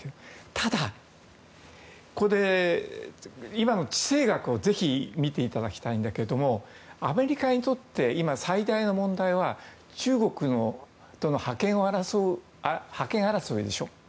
ただ、今の地政学をぜひ見ていただきたいんですがアメリカにとって今、最大の問題は中国との覇権争いでしょ。